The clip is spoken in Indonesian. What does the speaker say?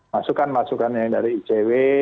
masukan masukan yang dari icw